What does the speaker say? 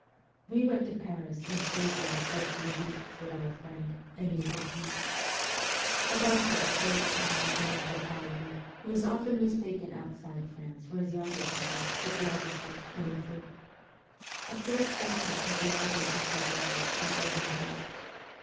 We went to Paris and stayed there for a few weeks with our friend, Elie Keclus a writer of great power in anthropology, who is often mistaken outside France for his younger brother, the geographer, Elisee. A close friendship has united the two brothers from early youth.